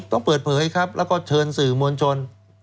ต้องเปิดเผยครับแล้วก็เชิญสื่อมวลชน